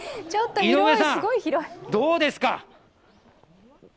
井上さん、どうですか？